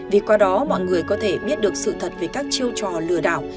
vì qua đó mọi người có thể biết được sự thật về các chiêu trò lừa đảo